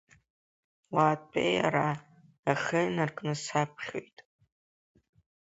Уаатәеи ара, ахы инаркны саԥхьоит.